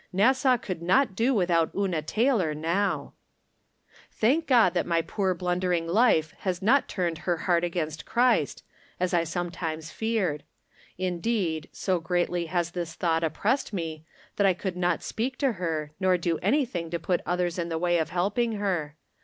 Nassau could not do without Una Taylor now ! Thank God that my poor blundering life has not turned her heart against Christ, as I some times feared. Indeed, so greatly has this thought oppressed me that I could not speak to her, nor do anything to put others in the way of helping her.